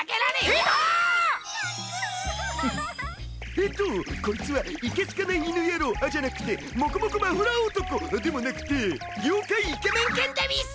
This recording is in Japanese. えっとコイツはいけすかない犬野郎じゃなくてもこもこマフラー男でもなくて妖怪イケメン犬でうぃす！